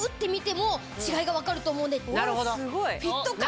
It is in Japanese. フィット感